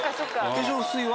化粧水は？